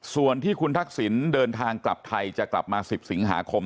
ส่วนที่คุณทักษิณเดินทางกลับไทยจะกลับมา๑๐สิงหาคม